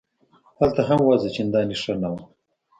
هلته هم وضع چندانې ښه نه وه.